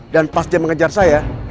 dan pas dia mengejar saya